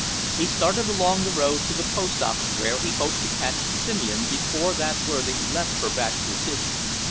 He started along the road to the post office where he hoped to catch Simeon before that worthy left for Baxter City.